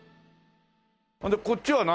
それでこっちは何？